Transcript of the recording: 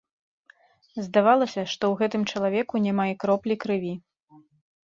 Здавалася, што ў гэтым чалавеку няма і кроплі крыві.